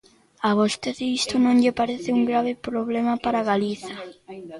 ¿A vostede isto non lle parece un grave problema para Galiza?